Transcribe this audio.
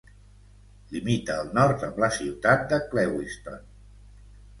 Limita al nord amb la ciutat de Clewiston.